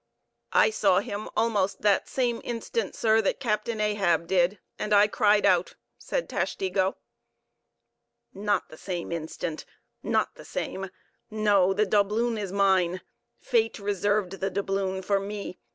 "I saw him almost that same instant, sir, that Captain Ahab did, and I cried out," said Tashtego. "Not the same instant; not the same—no, the doubloon is mine, Fate reserved the doubloon for me.